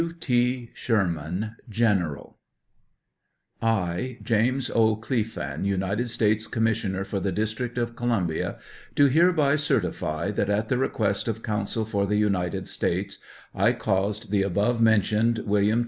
W..T. SHBEMAN, General. I, James O. Clephane, United States Commissioner for the District of Columbia, do hereby certify, that at the request of Counsel for the United States, I caused the above mentioned Wm.